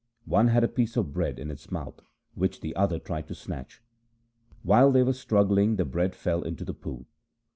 One had a piece of bread in its mouth, which the other tried to snatch. While they were struggling, the bread fell into the pool.